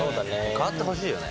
変わってほしいよね。